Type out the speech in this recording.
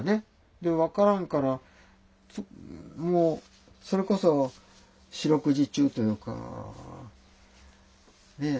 で分からんからもうそれこそ四六時中というかねえ。